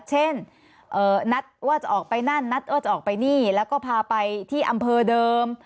เช่นนัดว่าจะออกไปนั่นนัดว่าจะออกไปนี่แล้วก็พาไปที่อำเภอเดิม